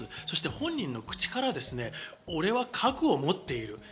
そして本人の口から、俺は核を持っている。